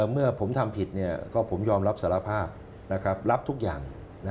เมื่อผมทำผิดก็ผมยอมรับสารภาพรับทุกอย่าง